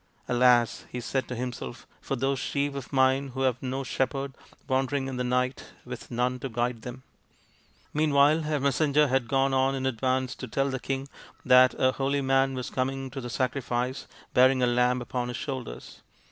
" Alas !" he said to himself, " for those sheep of mine who have no shepherd, wandering in the night with none to guide them !" Meanwhile a messenger had gone on in advance to tell the king that a holy man was coming to the sacrifice bearing a lamb upon his shoulders.